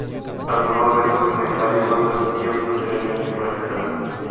Algunos de estos comentarios son transmitidos posteriormente por el canal.